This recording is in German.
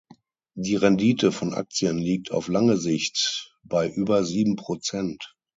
Die Rendite von Aktien liegt auf lange Sicht bei über sieben Prozent.